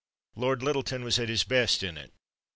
Lord Lyttelton was at his best in it.